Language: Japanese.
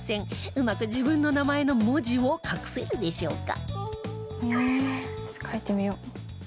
うまく自分の名前の文字を隠せるでしょうか？